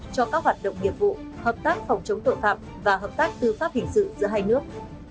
cho các hoạt động nghiệp vụ hợp tác phòng chống tội phạm và hợp tác tư pháp hình sự giữa hai nước